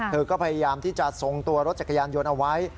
เธอก็พยายามที่จะทรงตัวรถจักรยานยนต์เอาไว้